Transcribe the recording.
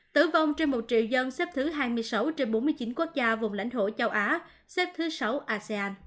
tử vong trên một triệu dân xếp thứ hai mươi sáu trên bốn mươi chín quốc gia vùng lãnh thổ châu á xếp thứ sáu asean